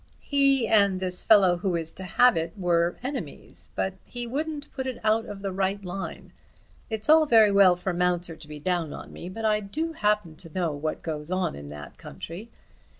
He and this fellow who is to have it, were enemies, but he wouldn't put it out of the right line. It's all very well for Mounser to be down on me, but I do happen to know what goes on in that country.